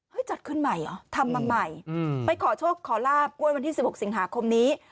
เฮ้ยจัดขึ้นใหม่อ่ะทำมาใหม่อืมไปขอโชคขอลาบป้วยวันที่สิบหกสิงหาคมนี้